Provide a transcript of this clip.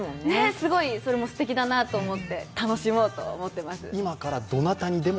すごいそれもすてきだなと思って楽しもうと思ってます。